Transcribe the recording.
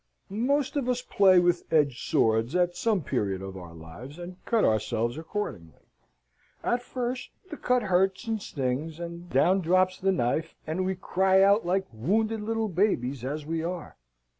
Most of us play with edged tools at some period of our lives, and cut ourselves accordingly. At first the cut hurts and stings, and down drops the knife, and we cry out like wounded little babies as we are.